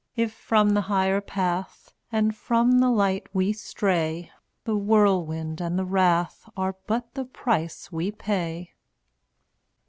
If from the higher path And from the Light we stray, The Whirlwind and the Wrath Are but the price we pay.